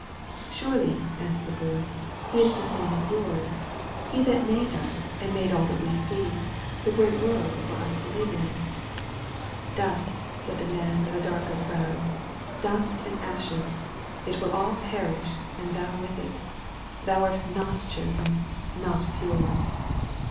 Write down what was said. "Surely," answered the Boy, "He is the same as yours. He that made us and made all that we see — ^the great world for us to live in." 285 i THE VALLEY OF VISION ''Dust,*' said the man, with a darker frown — ''diut and ashes ! It will all perish, and thou with it. Thou art not chosen — ^not pure